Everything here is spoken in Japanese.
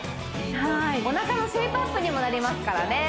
お腹のシェイプアップにもなりますからね